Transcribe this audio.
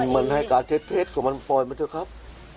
มันให้การเท็จของมันปล่อยมาเถอะครับ